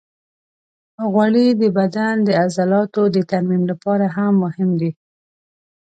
غوړې د بدن د عضلاتو د ترمیم لپاره هم مهمې دي.